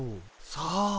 さあ。